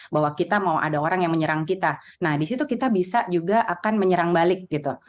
bahwa kita mau ada orang yang menyerang kita nah disitu kita bisa juga akan menyerang balik gitu